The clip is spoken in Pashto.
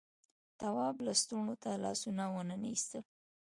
تواب لستونو ته لاسونه وننه ایستل.